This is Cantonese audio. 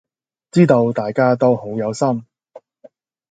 知道大家都好有心